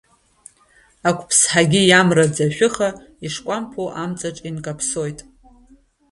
Ақәԥсҳагьы иамраӡа ашәыха, ишкәамԥоу амҵаҿы инкаԥсоит.